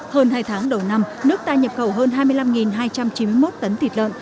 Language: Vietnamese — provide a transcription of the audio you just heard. hơn hai tháng đầu năm nước ta nhập khẩu hơn hai mươi năm hai trăm chín mươi một tấn thịt lợn